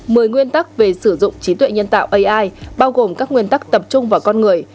mười nguyên tắc về sử dụng trí tuệ nhân tạo ai bao gồm các nguyên tắc tập trung vào con người